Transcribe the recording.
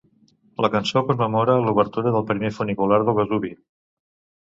La cançó commemora l'obertura del primer funicular del Vesuvi.